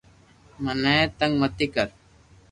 مني تنگ متي ڪر